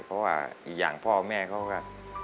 เพราะว่าอีกอย่างพ่อแม่เขาก็